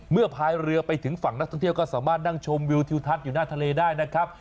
พายเรือไปถึงฝั่งนักท่องเที่ยวก็สามารถนั่งชมวิวทิวทัศน์อยู่หน้าทะเลได้นะครับ